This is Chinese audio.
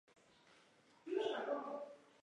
母左氏。